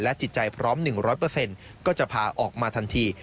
จิตใจพร้อม๑๐๐ก็จะพาออกมาทันที